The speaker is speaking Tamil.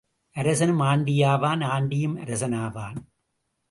அரசனும் ஆண்டி ஆவான் ஆண்டியும் அரசன் ஆவான்.